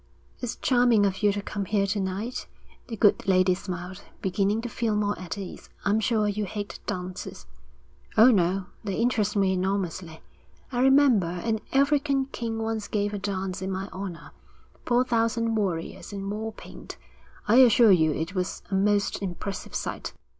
'It's charming of you to come here to night,' the good lady smiled, beginning to feel more at ease. 'I'm sure you hate dances.' 'Oh, no, they interest me enormously. I remember, an African king once gave a dance in my honour. Four thousand warriors in war paint. I assure you it was a most impressive sight.'